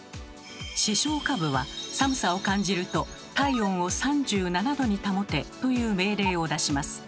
視床下部は寒さを感じると「体温を３７℃に保て」という命令を出します。